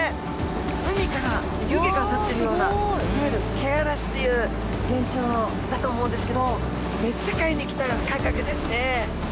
海から湯気が立ってるようないわゆる「けあらし」という現象だと思うんですけども別世界に来た感覚ですね。